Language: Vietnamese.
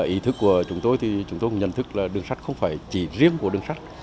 ý thức của chúng tôi thì chúng tôi cũng nhận thức là đường sắt không phải chỉ riêng của đường sắt